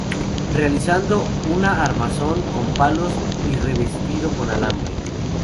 Realizando una armazón con palos y revestido con alambre.